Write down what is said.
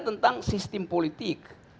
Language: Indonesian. tentang sistem politik